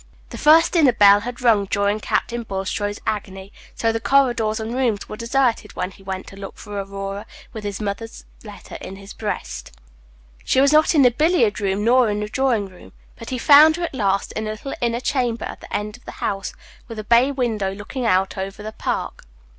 The first dinner bell had rung during Captain Bulstrode's agony; so the corridors and rooms were deserted when he went to look for Aurora, with his mother's letter in his breast. She was not in the billiard room nor the drawing room, but he found her at last in a little inner chamber at the end of the house, with a bay window looking out over the park.